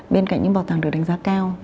bên cạnh những bảo tàng được đánh giá cao